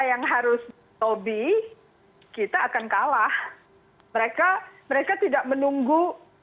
yang harus lobby kita akan kalah mereka tidak menunggu